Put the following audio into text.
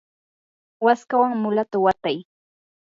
waskawan mulata watay.